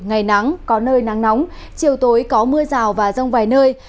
ngày nắng có nơi nắng nóng chiều tối có mưa rào và rông vài nơi